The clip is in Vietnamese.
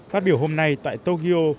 phát biểu hôm nay tại tokyo